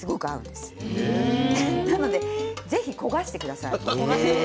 ですのでぜひ焦がしてください。